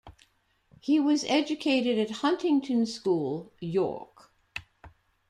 He was educated at Huntington School, York.